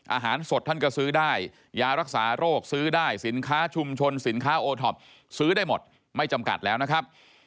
อาหารสดท่านก็ซื้อได้ยารักษาโรคซื้อได้สินค้าชุมชนสินค้าโอท็อปซื้อได้หมดไม่จำกัดแล้วนะครับ